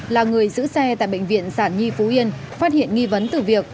là người giữ xe tại bệnh viện sản nhi phú yên phát hiện nghi vấn từ việc